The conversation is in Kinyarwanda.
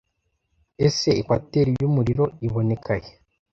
Ese ekwateri yumuriro iboneka he